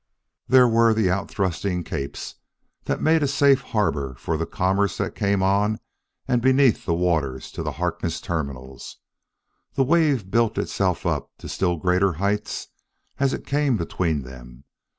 There were the out thrusting capes that made a safe harbor for the commerce that came on and beneath the waters to the Harkness Terminals; the wave built itself up to still greater heights as it came between them.